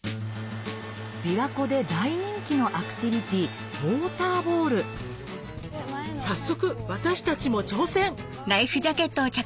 琵琶湖で大人気のアクティビティー早速私たちも挑戦！